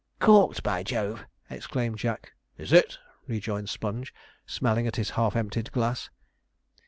'Corked, by Jove!' exclaimed Jack. 'It is!' rejoined Sponge, smelling at his half emptied glass.